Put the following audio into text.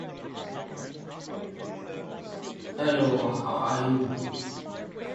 It is used after ingestion of various toxins or foreign bodies.